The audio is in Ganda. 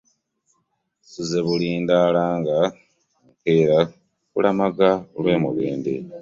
Nsuze bulindaala nga nkeera kulamaga lw'e Mubende.